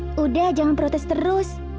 sudah jangan protes terus